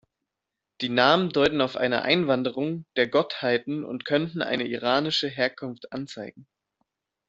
Die Namen deuten auf eine "Einwanderung" der Gottheiten, und könnten eine iranische Herkunft anzeigen.